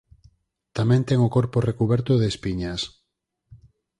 Tamén ten o corpo recuberto de espiñas.